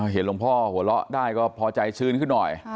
เห็นหลวงพ่อหัวเราะได้ก็พอใจชื้นขึ้นหน่อย